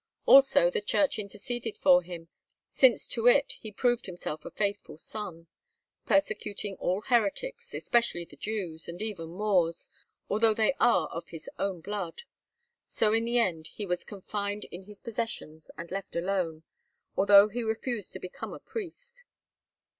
Also the Church interceded for him, since to it he proved himself a faithful son, persecuting all heretics, especially the Jews, and even Moors, although they are of his own blood. So in the end he was confirmed in his possessions and left alone, although he refused to become a priest.